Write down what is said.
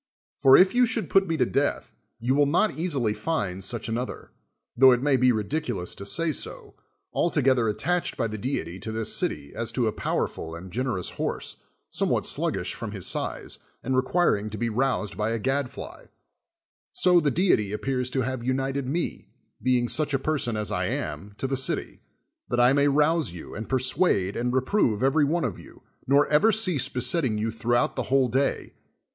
For, if you should put me to death, you will not easily find such another, tho it may be ridiculous to say so, altogether attached by the deity to this city as to a powerful and generous horse, some what sluggish from his size, and requiring to be roused by a gad fly; so the deity appears to have united me, being such a person as I am, to the city, that I may rouse you, and persuade and re prove every one of you, nor ever cease besettiiig you throughout the whole day.